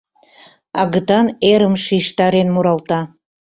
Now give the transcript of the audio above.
Агытан эрым шижтарен муралта.